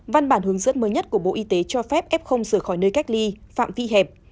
văn bản hướng dẫn mới nhất của bộ y tế cho phép f rời khỏi nơi cách ly phạm vi hẹp